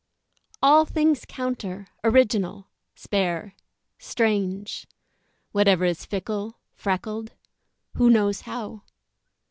All things counter, original, spare, strange; Whatever is fickle, freckled (who knows how?)